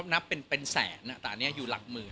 นับเป็นแสนแต่อันนี้อยู่หลักหมื่น